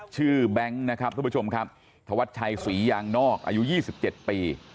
ชื่อแบงค์นะครับทุกผู้ชมครับถวัดชัยศรียางนอกอายุยี่สิบเจ็ดปี